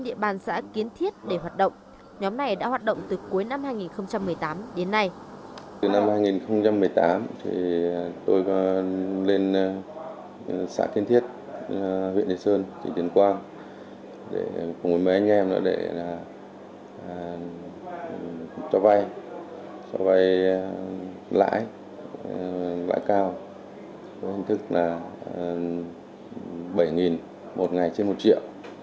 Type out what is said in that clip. với hình thức là bảy một ngày trên một triệu